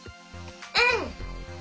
うん！